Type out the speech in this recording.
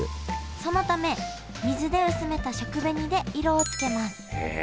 そのため水で薄めた食紅で色をつけます